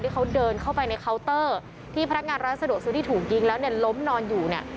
ที่เขาเดินเข้าไปในเคาน์เตอร์ที่พนักงานร้านสะดวกซื้อที่ถูกยิงแล้วเนี่ยล้มนอนอยู่เนี่ย